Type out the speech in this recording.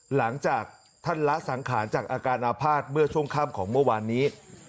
หลังจากท่านละสังขารจากอาการอาภาษณ์เมื่อช่วงค่ำของเมื่อวานนี้